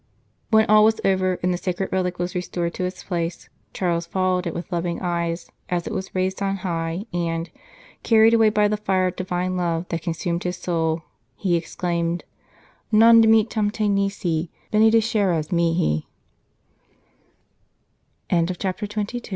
When all was over and the sacred relic was restored to its place, Charles followed it with loving eyes as it was raised on high, and, carried away by the fire of Divine love that consumed his soul, he exclaimed :" Non dimittam te nisi benedisceris mihi."